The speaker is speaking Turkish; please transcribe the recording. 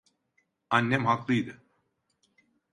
Annem haklıydı.